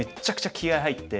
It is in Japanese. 気合い入って。